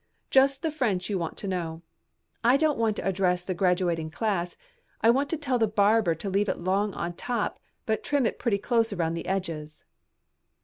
Just the French you want to know! I don't want to address the graduating class, I want to tell a barber to leave it long on top, but trim it pretty close around the edges."